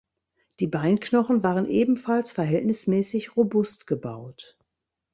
Die Beinknochen waren ebenfalls verhältnismäßig robust gebaut.